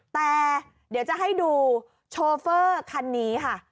แต่เดี๋ยวจะให้ดูโชเฟอร์คันนี้ค่ะ